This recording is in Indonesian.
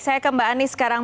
saya ke mbak anies sekarang